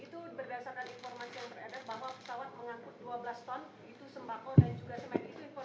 itu berdasarkan informasi yang teredat bahwa pesawat mengangkut dua belas ton